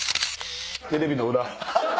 テレビの裏。